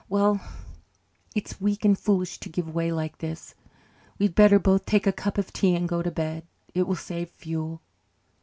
Well, it's weak and foolish to give way like this. We'd better both take a cup of tea and go to bed. It will save fuel."